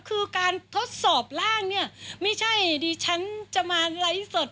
คือการทดสอบร่างเนี่ยไม่ใช่ดิฉันจะมาไลฟ์สด